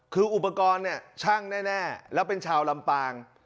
คืออุปกรณ์เนี่ยช่างแน่แล้วเป็นชาวลำปาง